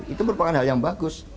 itu merupakan hal yang bagus